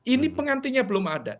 ini pengantinnya belum ada